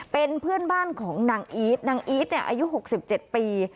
เป็นเพื่อนบ้านของนางอีทนางอีทอายุ๖๗ปี